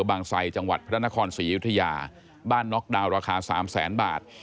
ไซจังหวัดพระนครศรีอยุธยาบ้านน็อกดาวนราคาสามแสนบาท